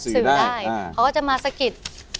เขาก็จะมาสะกิด